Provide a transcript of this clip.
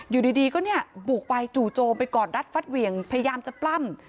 อยู่ดีก็บุกไปจู่โจมไปก่อนรัฐฟัดเวียงพยายามจะปลั่ม